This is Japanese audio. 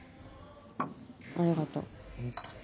ありがと。